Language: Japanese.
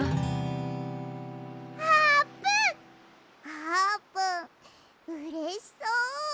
あーぷんうれしそう！